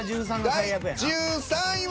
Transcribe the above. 第１３位は。